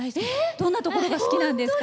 どんなところが好きなんですか？